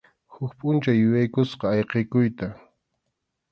Huk pʼunchaw yuyaykusqa ayqikuyta.